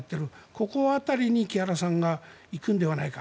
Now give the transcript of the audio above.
ここのところに木原さんが行くのではないか。